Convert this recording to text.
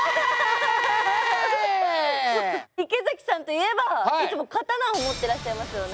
池崎さんといえばいつも刀を持ってらっしゃいますよね。